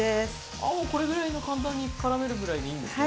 ああもうこれぐらいの簡単にからめるくらいでいいんですね。